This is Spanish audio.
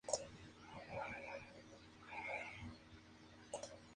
El Queensland Roar fue el primer campeón de la competición.